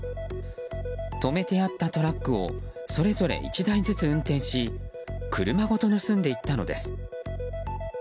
止めてあったトラックをそれぞれ１台ずつ運転し車ごと盗んでいったのです。